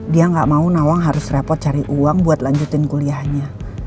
dia gak mau nawang harus repot cari uang buat lanjutin kuliahnya